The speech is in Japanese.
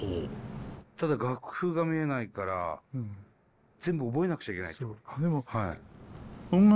ただ楽譜が見えないから全部覚えなくちゃいけないってことか。